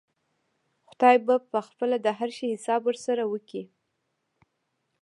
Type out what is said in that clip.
خداى به پخپله د هر شي حساب ورسره وکا.